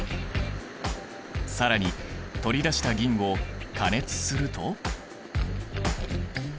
更に取り出した銀を加熱すると。